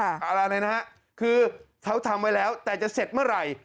อะไรนะฮะคือเขาทำไว้แล้วแต่จะเสร็จเมื่อไหร่